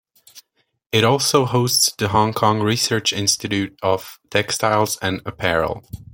It also hosts The Hong Kong Research Institute of Textiles and Apparel.